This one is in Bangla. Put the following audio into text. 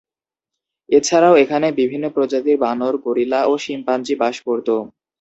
এছাড়া এখানে বিভিন্ন প্রজাতির বানর, গরিলা ও শিম্পাঞ্জি বাস করত।